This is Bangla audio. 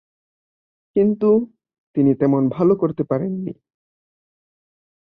কিন্তু তিনি তেমন ভাল করতে পারেননি।